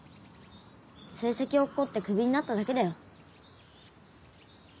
成績落っこってクビになっただけだよ。